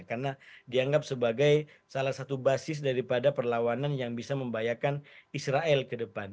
karena dianggap sebagai salah satu basis daripada perlawanan yang bisa membahayakan israel ke depan